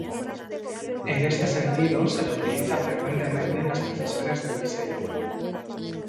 En este sentido se la utiliza frecuentemente en las profesiones del diseño.